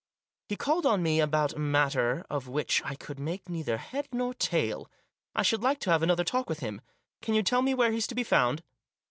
" He called on me about a matter of which I could make neither head nor tail. I should like to have another talk with him. Can you tell me where he's to be found?"